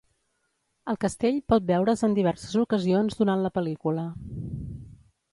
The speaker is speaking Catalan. El castell pot veure's en diverses ocasions durant la pel·lícula.